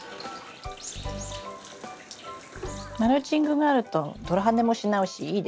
マルチングがあると泥はねもしないしいいですよね。